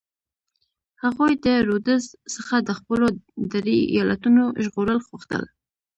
هغوی د رودز څخه د خپلو درې ایالتونو ژغورل غوښتل.